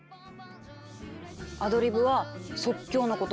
アドリブは「即興」のこと。